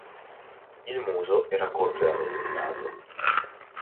Il muso era corto e arrotondato.